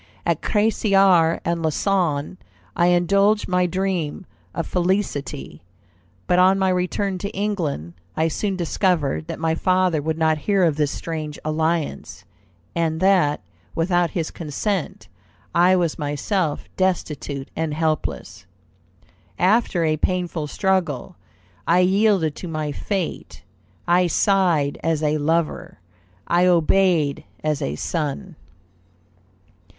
At Crassier and Lausanne I indulged my dream of felicity; but on my return to England I soon discovered that my father would not hear of this strange alliance, and that, without his consent, I was myself destitute and helpless. After a painful struggle, I yielded to my fate; I sighed as a lover; I obeyed as a son."